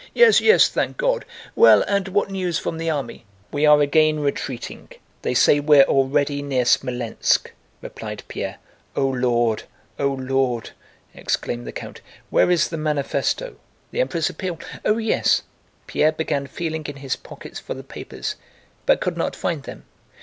"Yes, yes, thank God! Well, and what news from the army?" "We are again retreating. They say we're already near Smolénsk," replied Pierre. "O Lord, O Lord!" exclaimed the count. "Where is the manifesto?" "The Emperor's appeal? Oh yes!" Pierre began feeling in his pockets for the papers, but could not find them.